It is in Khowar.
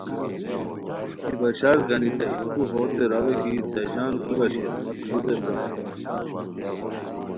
کی بشار گانیتائے تو ہوتے راوے کی تہ ژان کورا شیر مت لو دیت راوے